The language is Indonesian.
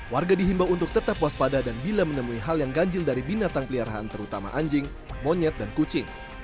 warga dihimbau untuk tetap waspada dan bila menemui hal yang ganjil dari binatang peliharaan terutama anjing monyet dan kucing